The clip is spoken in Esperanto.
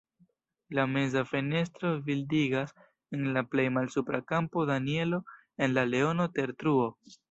La meza fenestro bildigas en la plej malsupra kampo Danielo en la leono-tertruo.